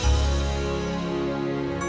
capek capeknya aja kau